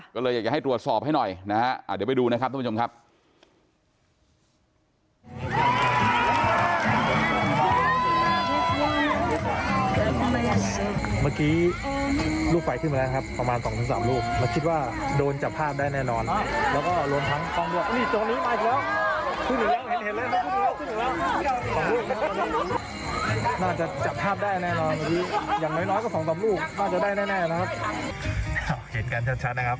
ก็เลยอยากจะให้ตรวจสอบให้หน่อยนะฮะเดี๋ยวไปดูนะครับทุกผู้ชมครับ